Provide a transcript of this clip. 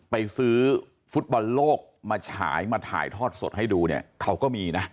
ไปซื้อฟุตบอลโลกมาฉายมาถ่ายทอดสดให้ดูเนี่ยเขาก็มีนะ